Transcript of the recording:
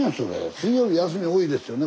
水曜日休み多いですよね